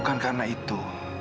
bukan karena itu